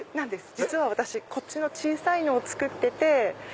実は私こっちの小さいのを作ってて。